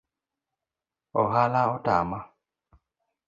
Ohala otama